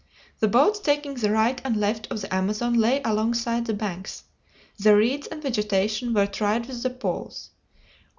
The boats taking the right and left of the Amazon lay alongside the banks. The reeds and vegetation were tried with the poles.